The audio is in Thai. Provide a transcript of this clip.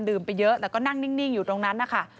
ไปเยอะแล้วก็นั่งนิ่งอยู่ตรงนั้นนะคะ